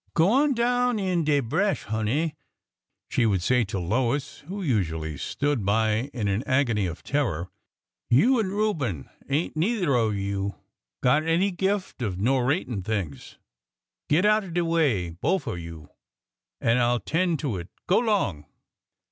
'' Go on down in de bresh, honey," she would say to Lois, who usually stood by in an agony of terror ;" you an' Reuben ain't neither of you got any gift at norratin' things ! Git out de way, bofe of you, an' I 'll 'ten' to it. Go 'long!"